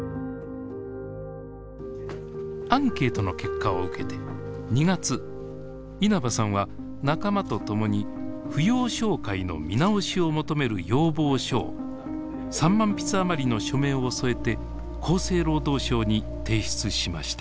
アンケートの結果を受けて２月稲葉さんは仲間と共に扶養照会の見直しを求める要望書を３万筆あまりの署名を添えて厚生労働省に提出しました。